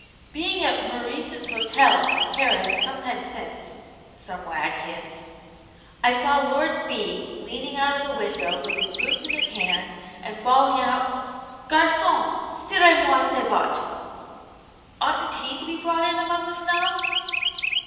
'Being at "Meurice's Hotel," Paris, some time since,' some wag hints, 'I saw Lord B. leaning out of the window with his boots in his hand, and bawling out "GARCON, CIREZ MOI CES BOTTES." Oughtn't he to be brought in among the Snobs?'